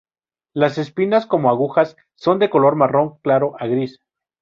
Las espinas, como agujas, son de color marrón claro a gris.